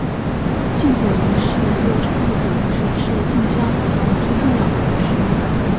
进火仪式又称刈火是进香活动最重要的仪式。